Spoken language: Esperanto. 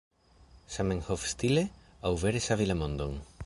Zamenhof-stile? aŭ vere savi la mondon?